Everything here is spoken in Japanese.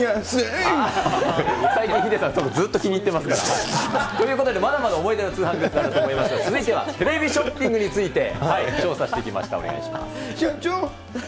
最近、ヒデさん、ずっとそれ、気に入ってますから。ということでまだまだ思い出の通販会社あると思いますが、続いてはテレビショッピングについて調査してきま社長。